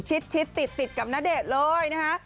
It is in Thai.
ชิดติดกับณเดชน์เลยนะคะ